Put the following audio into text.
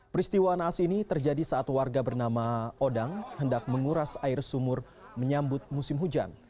peristiwa naas ini terjadi saat warga bernama odang hendak menguras air sumur menyambut musim hujan